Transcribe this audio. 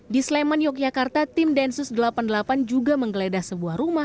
di sleman yogyakarta tim densus delapan puluh delapan juga menggeledah sebuah rumah